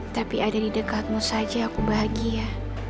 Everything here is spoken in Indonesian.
tapi ada di dekatmu saja aku bahagia